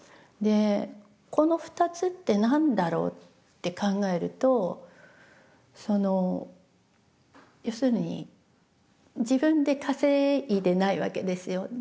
でこの２つって何だろうって考えるとその要するに自分で稼いでないわけですよ。